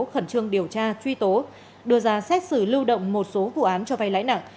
khẩn trương điều tra truy tố đưa ra xét xử lưu động một số vụ án cho vay lãi nặng